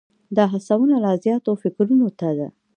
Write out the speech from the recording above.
دا هڅونه لا زیاتو فکرونو ته ده.